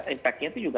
impact nya itu juga